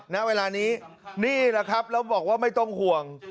ณเวลานี้นี่แหละครับแล้วบอกว่าไม่ต้องห่วง